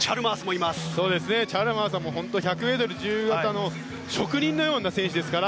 チャルマースは１００ｍ自由形の職人のような選手ですから。